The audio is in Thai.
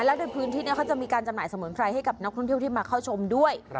แล้วในพื้นที่ก็จะมีการจำหน่ายเสมอใครกับนักท่องเที่ยวได้มาเข้าชมด้วย